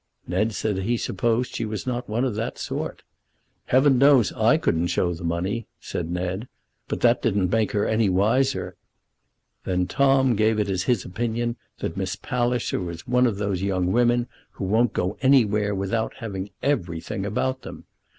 Ned said that he supposed she was not one of that sort. "Heaven knows I couldn't show the money," said Ned, "but that didn't make her any wiser." Then Tom gave it as his opinion that Miss Palliser was one of those young women who won't go anywhere without having everything about them.